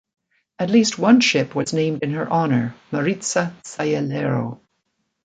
At least one ship was named in her honour, "Maritza Sayalero".